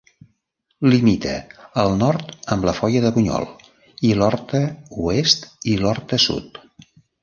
Limita al nord amb la Foia de Bunyol i l'Horta Oest i l'Horta Sud.